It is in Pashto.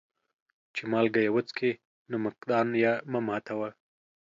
چي مالگه يې وڅکې ، نمک دان يې مه ماتوه.